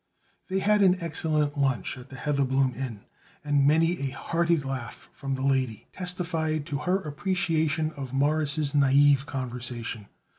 They had an excellent lunch at the Heatherbloom Inn, and many a hearty laugh from the lady testified to her appreciation of Morris' naïve conversation.